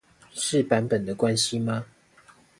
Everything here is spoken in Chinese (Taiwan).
是版本的關係嗎？